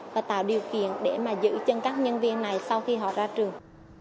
và tạo điều kiện để mà giữ chân các nhân viên này sau khi họ ra trường